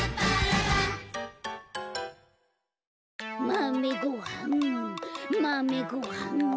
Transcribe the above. まめごはんまめごはん！